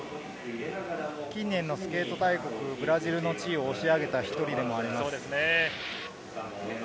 近年のスケート大国・ブラジルの地位を押し上げた１人でもあります。